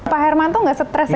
pak herman itu nggak stress ya